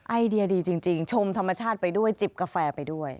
ไอเดียดีจริงชมธรรมชาติไปด้วยจิบกาแฟไปด้วย